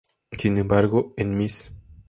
Sin embargo, en "Ms.